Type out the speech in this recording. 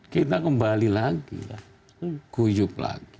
kita kembali lagi ya guyup lagi